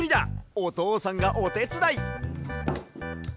おとうさんがおてつだい。